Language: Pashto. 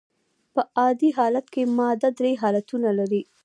په عادي حالت کي ماده درې حالتونه لري.